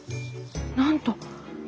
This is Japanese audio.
なんと。